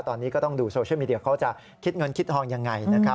ตอนนี้ก็ต้องดูโซเชียลมีเดียเขาจะคิดเงินคิดทองยังไงนะครับ